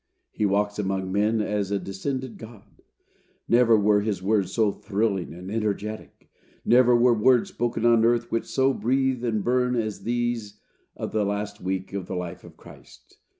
He walks among men as a descended God. Never were his words so thrilling and energetic. Never were words spoken on earth which so breathe and burn as these of the last week of the life of Christ.